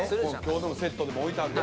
このセットでも置いてあるよ。